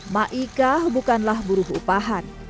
ma'ikah bukanlah buruh upahan